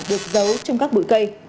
được giấu trong các bụi cây